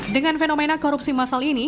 dengan fenomena korupsi masal ini